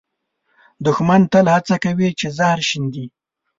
دښمن تل هڅه کوي چې زهر شیندي